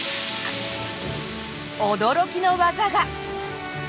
驚きの技が！